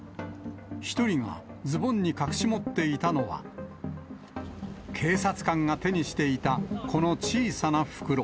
１人がズボンに隠し持っていたのは、警察官が手にしていたこの小さな袋。